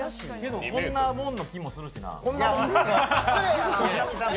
こんなもんな気もするしな。